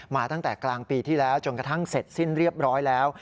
ตั้งแต่กลางปีที่แล้วจนกระทั่งเสร็จสิ้นเรียบร้อยแล้ว